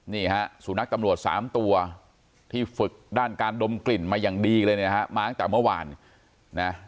นี่ฮะสุนัขตำรวจสามตัวที่ฝึกด้านการดมกลิ่นมาอย่างดีเลยเนี่ยนะฮะมาตั้งแต่เมื่อวานนะ